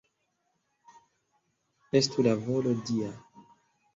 Estu la volo Dia!